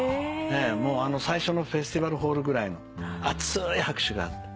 もう最初のフェスティバルホールぐらいの熱い拍手が。